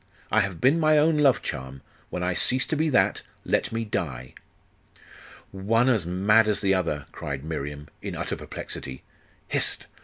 I have been my own love charm: when I cease to be that, let me die!' 'One as mad as the other!' cried Miriam, in utter perplexity. 'Hist!